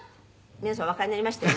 「皆様おわかりになりました？